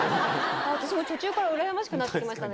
私も途中から羨ましくなってきましたね。